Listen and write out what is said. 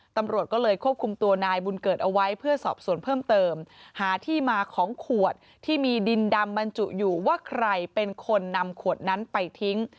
ตำรวจก็เลยควบคุมตัวนายบุญเกิดเอาไว้เพื่อสอบส่วนเพิ่มเติมหาที่มาของขวดที่มีดินดำบรรจุอยู่ว่าใครเป็นคนนำขวดนั้นไปทิ้ง